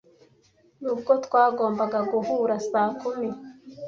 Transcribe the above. Nubwo twagombaga guhura saa kumi,